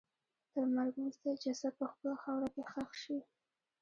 تر مرګ وروسته یې جسد په خپله خاوره کې ښخ شي.